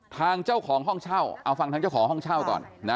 ทางเจ้าของห้องเช่าเอาฟังทางเจ้าของห้องเช่าก่อนนะ